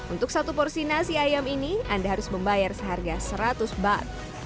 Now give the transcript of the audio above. untuk satu porsi nasi ayam ini anda harus membayar seharga seratus bat